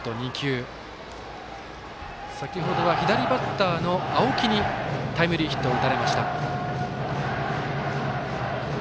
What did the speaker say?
先ほどは左バッターの青木にタイムリーヒットを打たれました。